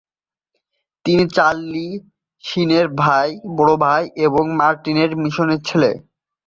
তিনি চার্লি শিনের বড় ভাই এবং মার্টিন শিনের ছেলে।